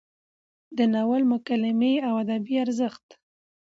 د ناول مکالمې او ادبي ارزښت: